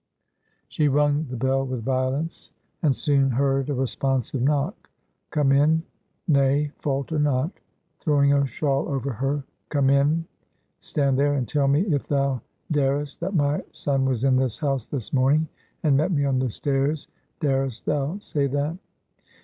She rung the bell with violence, and soon heard a responsive knock. "Come in! Nay, falter not;" (throwing a shawl over her) "come in. Stand there and tell me if thou darest, that my son was in this house this morning and met me on the stairs. Darest thou say that?"